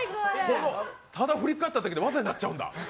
ただ振り返っただけで技になっちゃうんだ。